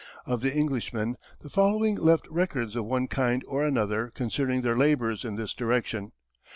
Of the Englishmen, the following left records of one kind or another concerning their labours in this direction.